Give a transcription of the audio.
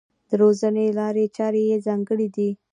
د روزنې لارې چارې یې ځانګړې دي.